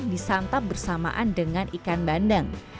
disantap bersamaan dengan ikan bandeng